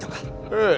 ええ。